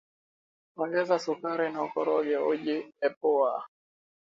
Ongeza sukari na ukoroge uji epua